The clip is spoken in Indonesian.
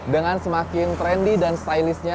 dengan semakin trendy dan stylishnya gaya bertimbangnya